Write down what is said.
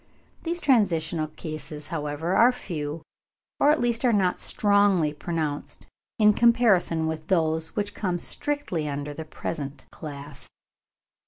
These transitional cases, however, are few, or at least are not strongly pronounced, in comparison with those which come strictly under the present class.